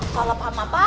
salah paham apa